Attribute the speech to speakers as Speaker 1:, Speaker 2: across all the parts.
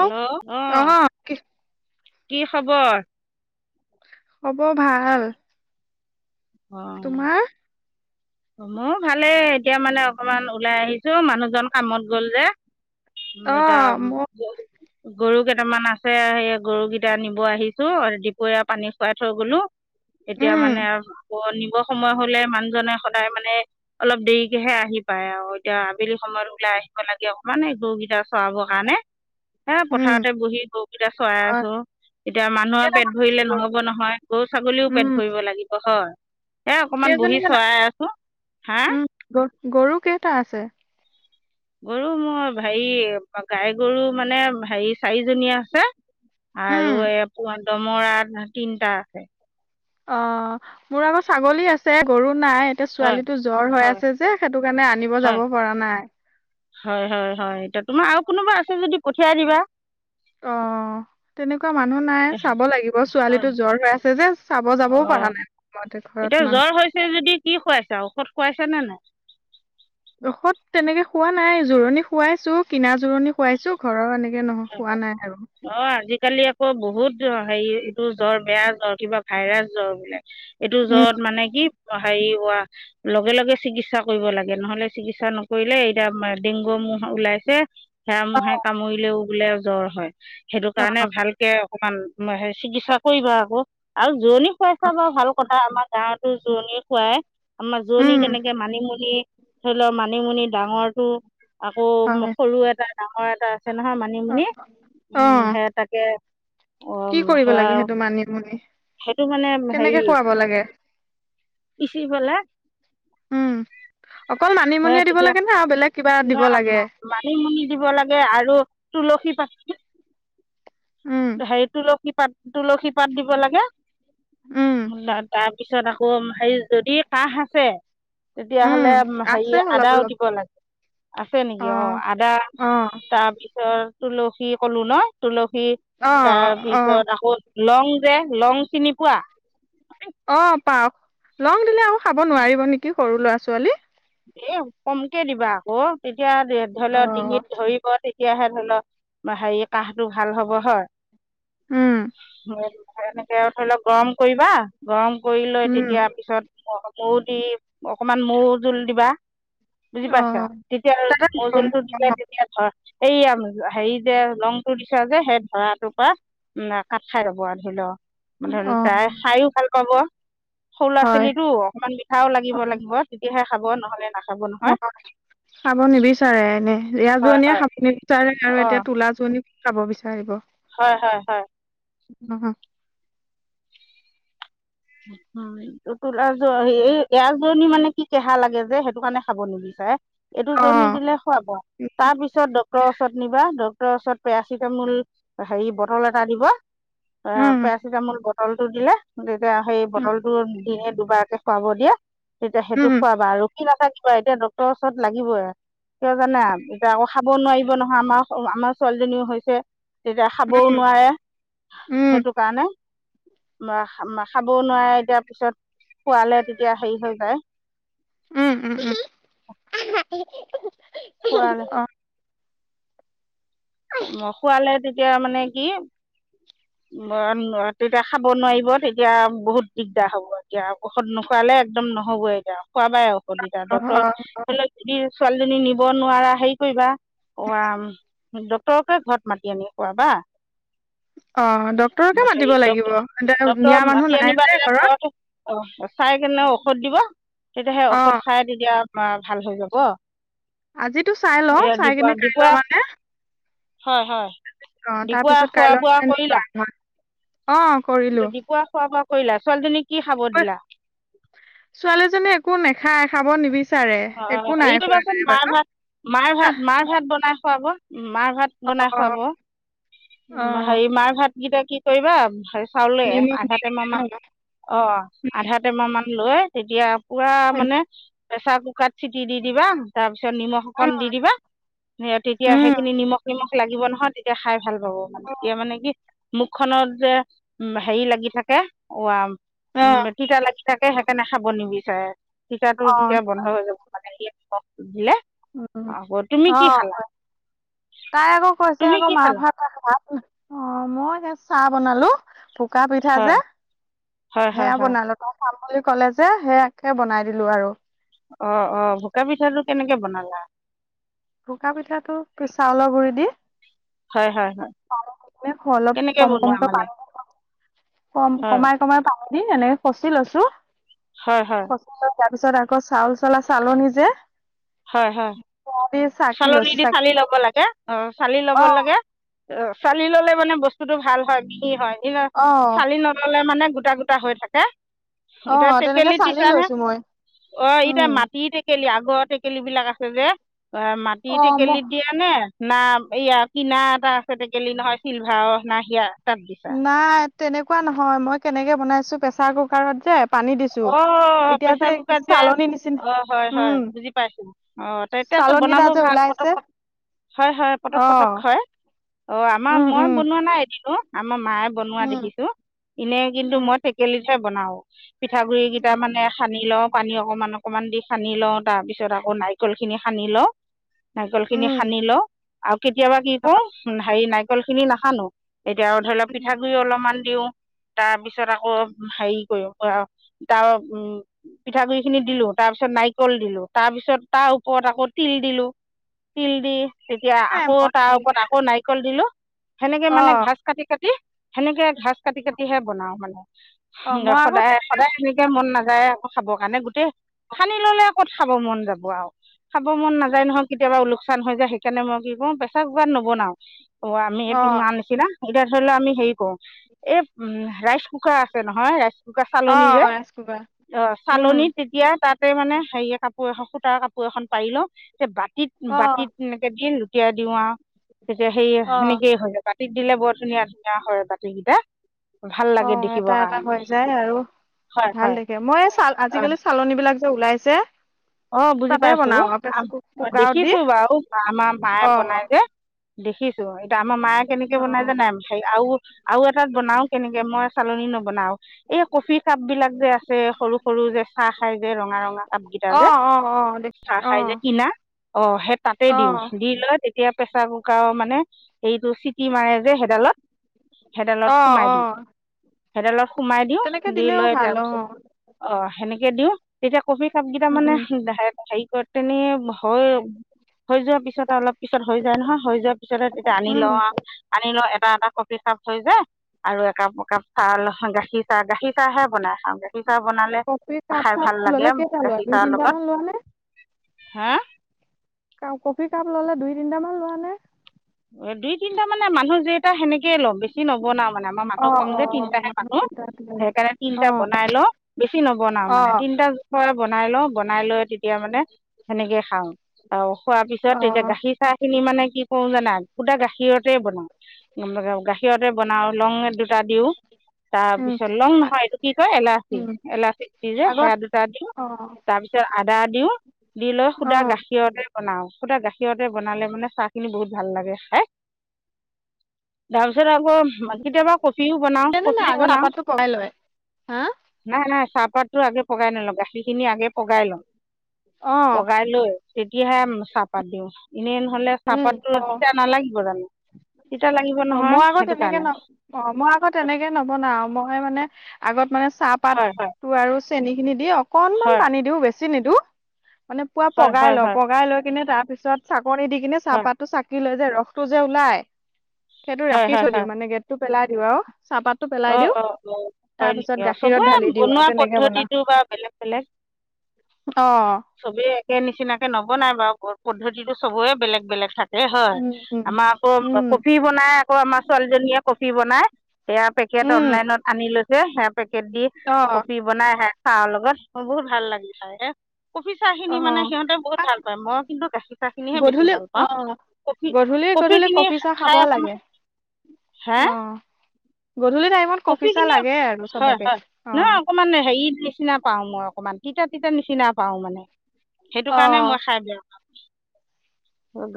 Speaker 1: অ অ
Speaker 2: আহ
Speaker 1: কি
Speaker 2: কি খবৰ।
Speaker 1: খব ভাল।
Speaker 2: অঁ।
Speaker 1: তোমাৰ
Speaker 2: মোৰ ভালেই এতিয়া মানে অকমান ওলাই আহিছো মানুহজন কামত গল যে।
Speaker 1: অ
Speaker 2: আমি
Speaker 1: মোৰ
Speaker 2: এতিয়া। গৰু কেইটামান আছে সেই গৰু কেইটা নিব আহিছো দুপৰীয়া পানী খোৱাই থৈ গলো। এতিয়া
Speaker 1: উম
Speaker 2: মানে। নিব সময় হলে মানুহজনে সদায় মানে অলপ দেৰিকেহে আহি পায় আউ এতিয়া আবেলি সময়। মৰ ওলাই আহিব লাগে অকমান এ গৰু কেইটা চৰাবৰ কাৰণে। এ
Speaker 1: উম
Speaker 2: পথাৰতে বহি গৰুকেইটা চৰাই
Speaker 1: হয়
Speaker 2: আছো। এতিয়া মানুহ আৰু পেট
Speaker 1: কেইটামান
Speaker 2: ভৰিলে
Speaker 1: আছে গৰু
Speaker 2: নহব নহয়, গৰু ছাগলীও পেট
Speaker 1: উম
Speaker 2: ভৰিব লাগিব হয়। এ অকনমান বহি
Speaker 1: কেইজনীমান
Speaker 2: চৰাই আছো হা।
Speaker 1: উম গ গৰু কেইটা আছে।
Speaker 2: গৰু মোৰ হেৰি গাই গৰু মানে হেৰি চাৰিজনীয়া আছে।
Speaker 1: উম
Speaker 2: আৰু এই পোৱা দমৰা তিনটা আছে।
Speaker 1: অ মোৰ আক ছাগলী আছে গৰু। নাই এতিয়া
Speaker 2: হয়
Speaker 1: ছোৱালীটো জ্বৰ হৈ
Speaker 2: হয়
Speaker 1: আছে যে সেইটো কাৰণে আনিব
Speaker 2: হয়
Speaker 1: যাব পৰা নাই।
Speaker 2: হয় হয় হয় এতিয়া তোমাৰ আৰু কোনোবা আছে যদি পঠিয়াই দিবা।
Speaker 1: অ তেনেকুৱা মানুহ নাই চাব লাগিব ছোৱালীটো জ্বৰ হৈ আছে যে। চাব যাবও
Speaker 2: অ
Speaker 1: পৰা নাই সময়তে ঘৰত
Speaker 2: এতিয়া
Speaker 1: মানুহ
Speaker 2: জ্বৰ হৈছে যদি কি খুৱাইছে। ছে ঔষধ খোৱাইছে নে নাই।
Speaker 1: ঔষত তেনেকে খোৱা নাই জোৰণি খোৱাইছো কিনা জোৰণি খোৱাইছো ঘৰৰ এনে। এনেকে নহ হোৱা নাই আৰু।
Speaker 2: কালি আকৌ বহুত হেৰি এইটো জ্বৰ বেয়া জ্বৰ কিবা ভাইৰাছ জ্বৰ বোলে। এইটো
Speaker 1: উম
Speaker 2: জ্বৰত মানে কি। হেৰি হোৱা লগে লগে চিকিৎসা কৰিব লাগে নহলে চিকিৎসা নকৰিলে এতিয়া ডেংগু। ওলাইছে। সেৰা মহে কামুৰিলেও বোলে জ্বৰ হয় সেইটো কাৰণে ভালকে অকমান। চিকিৎসা কৰিবা আকৌ আৰু জোৰণি খুৱাই চাবা ভাল কথা আমাৰ গাঁৱতো জোৰণীয়ে খোৱাই। আমাৰ জোৰোনি
Speaker 1: উম,
Speaker 2: কেনেকে মানিমুনি ধৰি লওক মানিমুনি ডাঙৰটো। আকৌ
Speaker 1: হয়
Speaker 2: সৰু এটা ডাঙৰ এটা আছে নহয়
Speaker 1: অ',
Speaker 2: মানিমুনি উম
Speaker 1: অ',
Speaker 2: সেয়া তাকে অ
Speaker 1: কি কৰিব
Speaker 2: সেয়া
Speaker 1: লাগে সেইটো মানিমুনি?
Speaker 2: সেইটো মানে
Speaker 1: কেনেকে
Speaker 2: হেৰি।
Speaker 1: খুৱাব লাগে?
Speaker 2: পিছিবেলে।
Speaker 1: উম, অকল
Speaker 2: হে
Speaker 1: মানিমুনিয়ে দিব
Speaker 2: তেতিয়া
Speaker 1: লাগে নে আৰু বেলেগ কিবা
Speaker 2: ন
Speaker 1: দিব লাগে?
Speaker 2: মানিমুনি দিব লাগে আৰু তুলসী। [unintelligible] [inaudible]
Speaker 1: উম,
Speaker 2: হেৰি তুলসী পাত তুলসী পাত দিব লাগে
Speaker 1: উম,
Speaker 2: তাত। পিছত আকৌ হেৰি যদি কাহ আছে
Speaker 1: উম,
Speaker 2: তেতিয়াহলে
Speaker 1: আছে
Speaker 2: হেৰি
Speaker 1: অলপ
Speaker 2: আদাও
Speaker 1: অলপ
Speaker 2: দিব লাগে। আছে নেকি অ আদা
Speaker 1: অ',
Speaker 2: তাৰপিছত তুলসী কলো ন তুলসী।
Speaker 1: অ', অ',
Speaker 2: তাৰপিছত আকৌ লং যে লং চিনি পোৱা।
Speaker 1: অ পাও লং দিলে আৰু খাব নোৱাৰিব নেকি সৰু ল'ৰা ছোৱালী।
Speaker 2: এ কমকে দিবা আকৌ তেতিয়া ধৰি লওক
Speaker 1: অ',
Speaker 2: ডিঙিত ধৰিব তেতিয়াহে ধৰি লওক হেৰি কাহটো ভাল হব হয়।
Speaker 1: উম,
Speaker 2: এনেকে ধৰি লওক গৰম কৰিবা গৰম কৰি লৈ
Speaker 1: উম,
Speaker 2: তেতিয়া পিছত। মৌ দি অকমান মৌ জোল দিবা বুজি পাইছা
Speaker 1: অ',
Speaker 2: তেতিয়া
Speaker 1: তাতে
Speaker 2: মৌ জোলটো দিলে
Speaker 1: অ',
Speaker 2: তেতিয়া ধ এই হেৰি যে ৰংটো দিছে যে সেই ধৰাটোৰ পৰা উম, কাত খাই লব আৰু ধৰি লওক। ধৰি তাই খায়ো ভাল পাব। সৰু লৰা
Speaker 1: হয়
Speaker 2: ছোৱালী টো অকমান মিঠাও লাগিব লাগিব তেতিয়াহে খাব নহলে নাখ
Speaker 1: অ', খাব নিবিচাৰে এনে
Speaker 2: হয়
Speaker 1: ৰিয়াজীয়ে
Speaker 2: হয়
Speaker 1: খাব নিবিচাৰে আৰু
Speaker 2: অঁ
Speaker 1: এতিয়া তোলাজনি খাব বিচাৰিব।
Speaker 2: হয়- হয়- হয়।
Speaker 1: উম
Speaker 2: উম, উতোলা যে এই এৰা জোৰী মানে কি কেহা লাগে যে সেইটো কাৰণে খাব নিবিচাৰে
Speaker 1: অ
Speaker 2: এইটোজনী দিলে খোৱাব তাৰপিছত ডক্টৰৰ ওচৰত নিবা ওচত পেৰাচিটামল হেৰি বটল এটা দিব এ
Speaker 1: উম
Speaker 2: পেৰাচিটামল ব বটল টো দিলে তেতিয়া সেই
Speaker 1: উম
Speaker 2: বটল টো দিনে দুবাৰকে খুৱাব দিয়ে তেতিয়া সেইটো
Speaker 1: উম
Speaker 2: খোৱাবা আৰু ৰখি নাথাকিবা এতিয়া ডক্ৰৰ ওচৰত লাগিবই আৰু। কিয় জানে এতিয়া আকৌ খাব নোৱাৰিব নহয় আমাৰ - আমাৰ ছোৱালীজনীও হৈছে। তেতিয়া খাবও নোৱাৰে
Speaker 1: উম
Speaker 2: সেইটো কাৰণে খাবও নোৱাৰে এতিয়া পিছত খোৱালে তেতিয়া হেৰি হৈ যায়
Speaker 1: উম উম উ
Speaker 2: খোৱালে। খোৱালে তেতিয়া মানে কি তেতিয়া খাব নোৱাৰিব তেতিয়া বহুত দিগদাৰ হ'ব এতিয়া ঔষধ নোখোৱালে একদম নহ'ব এতিয়া খোৱা বাই ঔষধ কেইটা
Speaker 1: অ অ
Speaker 2: ডক্টৰ ধৰি লও যদি ছোৱালীজনী নিব নোৱাৰা হেৰি কৰিবা কোৱা ডক্টৰকে ঘৰত মাতি আনি কোৱা বা
Speaker 1: অ ডক্তৰকে মাতিব
Speaker 2: হেৰিট
Speaker 1: লাগিব
Speaker 2: ডক্টৰ
Speaker 1: নিয়া মানুহ
Speaker 2: মাতি
Speaker 1: নাই
Speaker 2: আনিবা
Speaker 1: যে
Speaker 2: তে ঘৰত চাই। কেনে ঔষধ দিব তেতিয়া সেই
Speaker 1: অ
Speaker 2: ঔষধ খাই তেতিয়া ভাল হৈ যাব।
Speaker 1: আজিতো চাই লওঁ
Speaker 2: এই
Speaker 1: চাই
Speaker 2: ডিপু
Speaker 1: কিনে কাই ল
Speaker 2: ডিপুৱে
Speaker 1: মানে
Speaker 2: হয় - হয়
Speaker 1: অ তাৰ
Speaker 2: দিপা
Speaker 1: পিছত
Speaker 2: খোৱা
Speaker 1: কাইলৈ
Speaker 2: বোৱা
Speaker 1: মানে নিম
Speaker 2: কৰিলা।
Speaker 1: আৰু অ, কৰিলো।
Speaker 2: দুপৰীয়া খোৱা বোৱা কৰিলা ছোৱালীজনীক কি খাব দিলা
Speaker 1: ছোৱালীজনী একো নাখায় খাব নিবি বিচাৰে
Speaker 2: অঁ
Speaker 1: একো
Speaker 2: হেৰি
Speaker 1: নাই খোৱা
Speaker 2: কৰিবাচোন
Speaker 1: যাই বাৰু
Speaker 2: মাৰ ভাত
Speaker 1: আহ।
Speaker 2: উম, মাৰ ভাত বনাই খুৱাব
Speaker 1: অ
Speaker 2: হেৰি মাৰ ভাতকেইটা কি কৰিবা খালে
Speaker 1: নিমখ
Speaker 2: আধা
Speaker 1: দি
Speaker 2: টেমাহ
Speaker 1: কিনে ন
Speaker 2: মান অ, আধা টেমাহ মান লৈ তেতিয়া পুৰা মানে প্ৰেছাৰ কুকাৰ চিটি দি দিবা তাৰ পিছত ত নিমখ অকণ দি দিবা তেতিয়া
Speaker 1: উম
Speaker 2: সেইখিনি নিমখ নিমখ লাগিব নহয় তেতিয়া খাই ভাল পাব মানে এ মানে কি মুখখনত যে হেৰি লাগি থাকে অ
Speaker 1: অ
Speaker 2: উম টিতা লাগি থাকে সেইকাৰণে খাব নিবিচাৰে টিতাটো
Speaker 1: অ',
Speaker 2: বন্ধ হৈ যাব মানে স সুধিলে
Speaker 1: উম,
Speaker 2: আকৌ তুমি কি
Speaker 1: অ',
Speaker 2: খালা।
Speaker 1: তাই আকৌ কৈছে
Speaker 2: তুমি
Speaker 1: আকৌ
Speaker 2: কি
Speaker 1: মা
Speaker 2: খালা
Speaker 1: ভ অ মইছো চাহ বনালো বোকা পিঠা যে
Speaker 2: হয় হয় হয়
Speaker 1: সেয়া
Speaker 2: হয়
Speaker 1: বনালো তাত খাম বুলি ক'লে যে সেইয়াকে বনাই দিলো আৰু
Speaker 2: অ অ ভোকা পিঠাটো কেনেকে বনালা
Speaker 1: শুকা পিঠাটো পিছাউলৰ গুৰি দি
Speaker 2: হয় হয় হয়
Speaker 1: প অলপ
Speaker 2: কেনেকৈ
Speaker 1: কম
Speaker 2: বনোৱা
Speaker 1: কমকৈ
Speaker 2: মানে
Speaker 1: পাল কম
Speaker 2: হয়
Speaker 1: কমাই কমাই পাল দি এনেকে কচি লৈছো
Speaker 2: হয়- হয়।
Speaker 1: খচি লৈ তাৰ পিছত আকৌ চাউল চলা চালনি যে
Speaker 2: হয়- হয়।
Speaker 1: সেয়া দি চাকি
Speaker 2: চালনি
Speaker 1: লৈছো
Speaker 2: দি
Speaker 1: চাকি
Speaker 2: চালি ল'ব লাগে। অঁ চালি ল'ব
Speaker 1: অ',
Speaker 2: লাগে অ চালি ললে মানে বস্তুটো ভাল হয় মিহি হয়।
Speaker 1: অ',
Speaker 2: চালি নললে মানে গোটা গোটা হৈ থাকে। এতিয়া
Speaker 1: অ', তেনেকে
Speaker 2: টেকেলিত
Speaker 1: চালি
Speaker 2: দিছাহে
Speaker 1: লৈছো মই
Speaker 2: অ এতিয়া
Speaker 1: উম,
Speaker 2: মাটি টেকেলি আগ ব টেকেলী বিলাক আছে যে অ মাটি
Speaker 1: অ', মই
Speaker 2: টেকেলিত দিয়া নে না এইয়া কিনা এটা আছে টেকেলি নহয় চিলভাৰ না সিয়াৰ।
Speaker 1: নাই তেনেকুৱা নহয় মই কেনেকে বনাইছো প্ৰেচাৰ কুকাৰত যে পানী দিছো
Speaker 2: অ
Speaker 1: এতিয়া
Speaker 2: প্ৰেচাৰ কুকাৰ যে
Speaker 1: চালনী নিচিনা
Speaker 2: অ হয় হয়
Speaker 1: উম
Speaker 2: বুজি পাইছো অ ত এতিয়াটো
Speaker 1: চালনী
Speaker 2: বনাব
Speaker 1: এটা যে
Speaker 2: ভাল
Speaker 1: ওলাইছে
Speaker 2: পতক। হয় হয়
Speaker 1: অ
Speaker 2: পটক পটক হয় অ আমাৰ
Speaker 1: উম
Speaker 2: মই
Speaker 1: উম
Speaker 2: বনোৱা নাই এদিনো আমাৰ মায়ে বনোৱা
Speaker 1: উম
Speaker 2: দেখিছো এনেই কিন্তু
Speaker 1: উম
Speaker 2: মই টেকেলিতহে বনাও। পিঠা গুৰি কেইটা মানে সানি লও। পানী অকমান অকমান দি সানি লওঁ তাৰ পিছত আকৌ নাৰিকল খিনি সানি লওঁ। নাৰিকল খিনি
Speaker 1: উম
Speaker 2: সানি লওঁ আৰু কেতিয়াবা কি কৰো হেৰি নাৰিকল খিনি নাহানো এতিয়া আৰু ধৰি লওক পিঠাগুৰি অলপমান দিওঁ তাৰ পিছত আকৌ হেৰি কৰো তাৰ উম পিঠাগুৰি খিনি দিলো তাৰপিছত নাৰিকল দিলো তাৰপিছত তাৰ ওপৰত আকৌ তিল দিলো তিল দি এতিয়া
Speaker 1: নাই
Speaker 2: আকৌ তাৰ
Speaker 1: মই
Speaker 2: ওপৰত আকৌ নাৰিকল দিলো সেনেকে
Speaker 1: অ
Speaker 2: মানে ঘাছ কাটি কাটি সেনেকে ঘাচ কাটি কাটিহে বনাও মানে
Speaker 1: অ মই আকৌ
Speaker 2: সদায়। সদায় হেনেকে মন নাযায় আকৌ খাব কাৰণে গোটেই সানি ললে ক'ত খাব মন যাব আও খাব মন নাযায় নহয় কেতিয়াবা উ লোকচান হৈ যায় সেইকাৰণে মই কি কৰোঁ পেচাৰ কুকাৰত নবনাও। অ আমি এইটো
Speaker 1: অ
Speaker 2: তোমাৰ নিচিনা এতিয়া ধৰি লও আমি হেৰি কৰো এই উম ৰাইচ কুকাৰ আছে নহয় ৰাইচ ক
Speaker 1: অ
Speaker 2: চালনী যে
Speaker 1: ৰাইচ কুকাৰ
Speaker 2: অ
Speaker 1: উম
Speaker 2: চালনী তেতিয়া তাত তাতে মানে হেৰিয় কাপোৰ এ সূতাৰ কাপোৰ এখন পাৰি লও বাতিত
Speaker 1: অ
Speaker 2: বাতিত এনেকে দি তিয়াই দিও আও তেতিয়া সেই
Speaker 1: অ
Speaker 2: সেনেকেই হয় বাতিত দিলে বৰ ধুনীয়া ধুনীয়া হয় বাতিকেইটা ভাল
Speaker 1: অ
Speaker 2: লাগে
Speaker 1: এটা
Speaker 2: দেখিবৰ
Speaker 1: এটা
Speaker 2: কাৰণে
Speaker 1: হৈ যায় আৰু
Speaker 2: হয়
Speaker 1: ভাল
Speaker 2: হয়
Speaker 1: দেখে মই এই চাল
Speaker 2: অ
Speaker 1: আজিকালি চালনী বিলাক যে ওলাই যে
Speaker 2: অ বুজি পাইছো
Speaker 1: কুকাৰত দি
Speaker 2: দেখিছো বাৰু আমাৰ মায়ে
Speaker 1: অ
Speaker 2: বনাই যে। দেখিছো এতিয়া আমাৰ মায়ে কেনেকে
Speaker 1: অ
Speaker 2: বনাই জানা হে আৰু আৰু এটাত বনাও কেনেকে মই চালনী নবনাও এই কফি কাপ বিলাক যে আছে। সৰু সৰু যে চাহ খাই যে ৰঙা ৰঙা কাপগেইটা
Speaker 1: অ
Speaker 2: যে
Speaker 1: অ অ দেখ
Speaker 2: চাহ
Speaker 1: অ
Speaker 2: খাই যে কিনা অ সেই তাতে
Speaker 1: অ
Speaker 2: দিওঁ দি লৈ এতিয়া প্ৰেছাৰ কুকাৰৰ মানে হেৰিটো চিটি মাৰে যে সেইডালত হেইডালত
Speaker 1: অ
Speaker 2: সোমাই
Speaker 1: অ
Speaker 2: দিওঁ হেইডালত সোমাই দিওঁ
Speaker 1: তেনেকে
Speaker 2: দি
Speaker 1: দিলেও
Speaker 2: লৈ
Speaker 1: ভাল অ
Speaker 2: তাৰপিছত অ সেনেকে দিওঁ তেতিয়া কফি কাপ কেইটা
Speaker 1: উম
Speaker 2: মানে হেৰি কৰতে নি হয়। হৈ যোৱাৰ পিছতে অলপ পিছত হৈ যায় নহয় হৈ যোৱাৰ পিছতে তেতিয়া আনি
Speaker 1: উম
Speaker 2: লওঁ আনি লও এটা এটা কফি কাপ হৈ যায় আৰু একাপ একাপ চউল গাখীৰ চাহ গাখীৰ চাহহে বনাই চা গাখীৰ বনালে
Speaker 1: কফি কাপ
Speaker 2: খাই
Speaker 1: চাপ
Speaker 2: ভাল লাগে
Speaker 1: ললে কেইটা লোৱা
Speaker 2: গাখীৰ
Speaker 1: দুই
Speaker 2: চাহৰ লগত
Speaker 1: তিনিটামান লোৱা নে
Speaker 2: হে
Speaker 1: কফি কাপ ল'লে দুই তিনিটামান লোৱা নে।
Speaker 2: এ দুই তিনিটা মানে মানুহ যেইটা মানে সেনেকে ল'ম বেছি নবনাও। মানে আমাৰ
Speaker 1: অ
Speaker 2: মানুহ কম
Speaker 1: অ
Speaker 2: যে
Speaker 1: অ
Speaker 2: তিনিটাহে মানুহ।
Speaker 1: কেইটা লৈ
Speaker 2: সেইকাৰণে
Speaker 1: অ
Speaker 2: তিনটা বনাই ল বেছি নবনাও
Speaker 1: অ
Speaker 2: মানে তিনটা জোখৰে বনাই বনাই লওঁ বনাই লৈ তেতিয়া মানে সেনেকে খাওঁ। অ খোৱাৰ পিছত
Speaker 1: অ
Speaker 2: এতিয়া গাখীৰ চাহ খিনি মানে কি কৰো জানা। শুদা গাখীৰতে বনাও গাখীৰতে বনাও লং দুটা দিও
Speaker 1: উম
Speaker 2: তাৰপিছত লং
Speaker 1: আ
Speaker 2: নহয় এইটো কি কয় এলাচি
Speaker 1: উম
Speaker 2: এলাচি গুটি যে
Speaker 1: আগত
Speaker 2: সেৰা দুটা দিওঁ
Speaker 1: অ
Speaker 2: তাৰপিছত আদা দিও দি লৈ
Speaker 1: অ
Speaker 2: শুদা গাখীৰতে বনাও সুদা গাখীৰতে বনালে মানে চাহ খিনি বহুত ভাল লাগে। হে। তাৰপিছত আকৌ কেতিয়াবা কফিও বনাওঁ
Speaker 1: তেনে নাই
Speaker 2: কফিও
Speaker 1: আগত
Speaker 2: বনাওঁ।
Speaker 1: চাহপাতটো পগাই লয় হা
Speaker 2: নাই নাই চাপ। পতটো আগে পগাই নলওঁ গাখীৰ খিনি আগে পগাই লওঁ
Speaker 1: অ
Speaker 2: পগাই লৈ। তেতিয়াহে চাহপাত দিওঁ এনেই নহলে
Speaker 1: উম
Speaker 2: চাহপাতটো তিতা নালাগিব জানো? তিতা লাগিব
Speaker 1: অ
Speaker 2: নহয়
Speaker 1: মই আকৌ
Speaker 2: সেইটো
Speaker 1: তেনেকে
Speaker 2: কাৰণে
Speaker 1: ন অ মই আকৌ তেনেকে নবনা মই মানে। আগত মানে
Speaker 2: হয় হয়
Speaker 1: চাহপাতটো আৰু চেনী খিনি দি অকনমান
Speaker 2: হয়
Speaker 1: পানী দিওঁ বেছি নিদিওঁ,। মানে পুৰা পগাই
Speaker 2: হয়
Speaker 1: লওঁ
Speaker 2: হয়
Speaker 1: পগাই লৈ কিনে তাৰ পিছত চাকনি দি কিনে
Speaker 2: হয়
Speaker 1: চাহপাতটো চাকি লৈ,। যে ৰসটো যে ওলাই সেইটো
Speaker 2: হয় হয়
Speaker 1: ৰাখি
Speaker 2: হয়
Speaker 1: থৈ দিও
Speaker 2: হয়
Speaker 1: মানে গেটটো পেলাই দিওঁ আৰু। টো পেলাই
Speaker 2: অঁ
Speaker 1: দিও
Speaker 2: অঁ অঁ হয়
Speaker 1: তাৰ পিছত
Speaker 2: নেকি অঁ
Speaker 1: গাখীৰত
Speaker 2: চবৰে
Speaker 1: ঢালি দিও আৰু
Speaker 2: বনোৱা
Speaker 1: তেনেকে বনাও।
Speaker 2: পদ্ধতিটো বা বেলেগ বেলেগ
Speaker 1: উ [unintelligible]
Speaker 2: চবেই একে নিচিনাকে নবনাই বাৰু পদ্ধতিতটো চবে বেলেগ বেলেগ থাকে। হয়
Speaker 1: উম উম
Speaker 2: আমাৰ আকৌ
Speaker 1: উম
Speaker 2: কফি বনাই আকৌ আমাৰ ছোৱালীজনীয়ে কফি বনাই সেয়া। পেকেট
Speaker 1: উম
Speaker 2: অনলাইনত আনি লৈছে সেয়া পেকেট দি
Speaker 1: অ
Speaker 2: কফি বনাই---্ চা লগত মোৰ বহুত ভাল লাগি চাই হে। কফি চাহখিনি
Speaker 1: অ
Speaker 2: মানে সিহঁতে বহুত ভাল পায় মই কিন্তু গাখীৰ চাহ খিনিহে বেছি
Speaker 1: গধূলি
Speaker 2: ভাল
Speaker 1: অ
Speaker 2: পাওঁ। কফি
Speaker 1: গধূলি গধূলি
Speaker 2: কফিখিনি
Speaker 1: কফি চাহ খাব
Speaker 2: খাই
Speaker 1: লাগে
Speaker 2: অকণমান
Speaker 1: অ। গধূলি টাইমত
Speaker 2: কফি
Speaker 1: চাহ
Speaker 2: খিনি,
Speaker 1: লাগে আৰু
Speaker 2: হয়
Speaker 1: চবকে
Speaker 2: হয়
Speaker 1: অ
Speaker 2: নহয় অকমান হেৰি নিচিনা পাও মই অকমান তিতা তিতা নিচিনা পাও মানে সেইটো
Speaker 1: অ
Speaker 2: কাৰণে মই খাই বেয়া পাওঁ।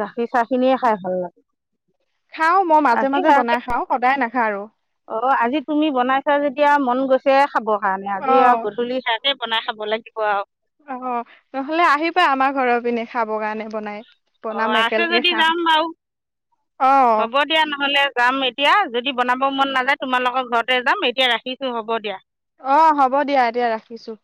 Speaker 2: গাখীৰ চাহ খিনিয়ে খাই ভাল লাগে।
Speaker 1: খাও মই মাজে
Speaker 2: আজি
Speaker 1: মাজে বনাই খাওঁ, সদায় নাখাওঁ আৰু।
Speaker 2: অ আজি তুমি বনাইছা যেতিয়া মন গৈছে খাবৰ কাৰণে
Speaker 1: অ
Speaker 2: আজি আৰু গধূলি সেয়াতে বনাই খাব লাগিব। দিব।
Speaker 1: অ নহলে আহিবা আমাৰ ঘৰৰ পিনে খাব কাৰণে বনাই।
Speaker 2: অ
Speaker 1: বনাম
Speaker 2: আছে
Speaker 1: একেলগে
Speaker 2: যদি
Speaker 1: খাম
Speaker 2: যাম বাৰু
Speaker 1: অ
Speaker 2: হ'ব দিয়া নহলে। যাম এতিয়া যদি বনাব মন নাযায় তোমালোকৰ ঘৰতে যাম এতিয়া ৰাখিছো হ'ব দিয়া।
Speaker 1: অ হ'ব দিয়া এতিয়া ৰাখিছো।